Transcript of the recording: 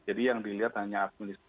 jadi yang dilihat hanya administratif